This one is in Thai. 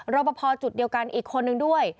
รอปภจุดเดียวกันอีกคนนึงด้วย